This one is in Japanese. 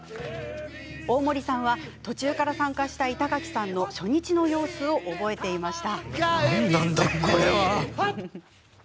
大森さんは途中から参加した板垣さんの初日の様子を覚えていました。